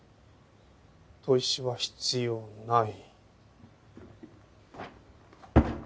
砥石は必要ない。